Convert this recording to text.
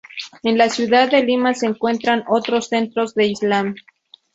En la ciudad de Lima se encuentran otros centros del Islam.